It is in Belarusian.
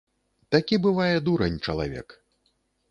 Такі бывае дурань чалавек.